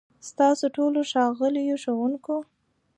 ستاسو ټولو، ښاغليو ښوونکو،